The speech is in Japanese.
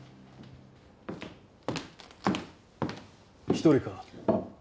一人か？